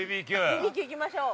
◆ＢＢＱ行きましょう。